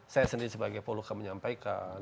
saya sendiri sebagai poluka menyampaikan